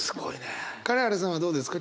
金原さんはどうですか？